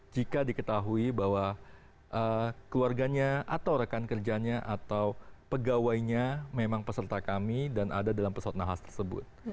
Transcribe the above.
jika diketahui bahwa keluarganya atau rekan kerjanya atau pegawainya memang peserta kami dan ada dalam pesawat nahas tersebut